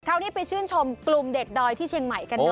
คราวนี้ไปชื่นชมกลุ่มเด็กดอยที่เชียงใหม่กันหน่อย